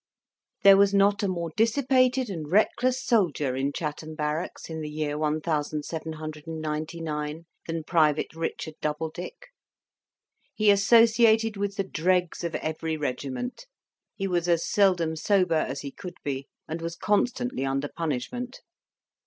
There was not a more dissipated and reckless soldier in Chatham barracks, in the year one thousand seven hundred and ninety nine, than Private Richard Doubledick. He associated with the dregs of every regiment; he was as seldom sober as he could be, and was constantly under punishment.